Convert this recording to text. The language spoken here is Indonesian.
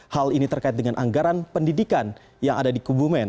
hal ini terkait dengan anggaran pendidikan yang ada di kebumen